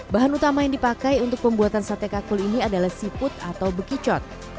bahan utama yang dipakai untuk pembuatan sate kakkul ini adalah siput atau bekicot